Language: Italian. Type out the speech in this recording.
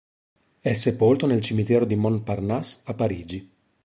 È sepolto nel cimitero di Montparnasse, a Parigi.